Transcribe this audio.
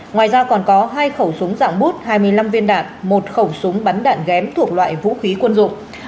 ngoài ra còn có hai khẩu súng dạng bút hai mươi năm viên đạn một khẩu súng bắn đạn ghém thuộc loại vũ khí quân dụng